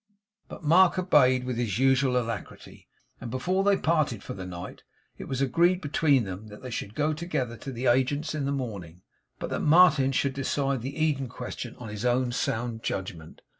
But Mark obeyed with his usual alacrity; and before they parted for the night, it was agreed between them that they should go together to the agent's in the morning, but that Martin should decide the Eden question, on his own sound judgment.